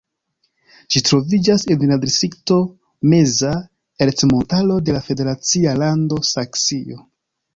Ĝi troviĝas en la distrikto Meza Ercmontaro de la federacia lando Saksio.